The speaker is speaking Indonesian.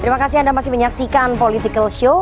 terima kasih anda masih menyaksikan politikalshow